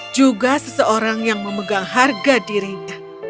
juga seseorang yang memegang harga dirinya